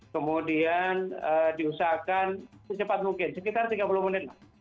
kemudian diusahakan secepat mungkin sekitar tiga puluh menit